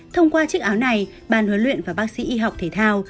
thông qua chiếc áo này ban huấn luyện và bác sĩ y học thể thao